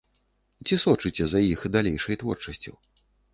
Ці сочыце за іх далейшай творчасцю?